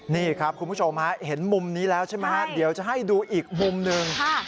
นี่ครับคุณผู้ชมฮะเห็นมุมนี้แล้วใช่ไหมฮะเดี๋ยวจะให้ดูอีกมุมหนึ่ง